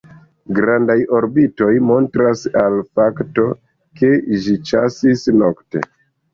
Grandaj orbitoj montras al fakto, ke ĝi ĉasis nokte.